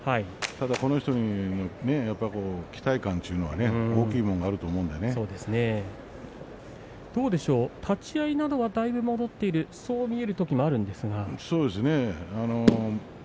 ただこの人に期待感というのはねどうでしょう立ち合いなどはだいぶ戻っているそうですね。